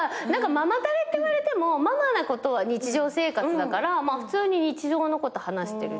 ママタレっていわれてもママなことは日常生活だから普通に日常のこと話してるっていうぐらいで。